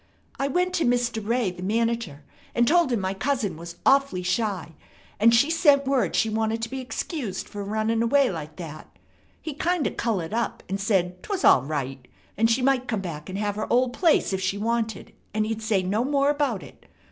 I went to Mr. Wray, the manager, and told him my cousin was awfully shy, and she sent word she wanted to be excused fer running away like that. He kind of colored up, and said 'twas all right, and she might come back and have her old place if she wanted, and he'd say no more about it.